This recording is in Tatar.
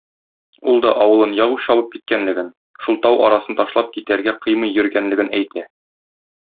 Ул да авылын яу чабып киткәнлеген, шул тау арасын ташлап китәргә кыймый йөргәнлеген әйтә.